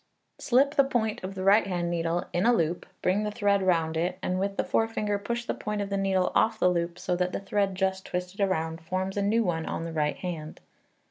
Slip the point of the right hand needle in a loop, bring the thread round it, and with the forefinger push the point of the needle off the loop so that the thread just twisted round forms a new one on the right hand.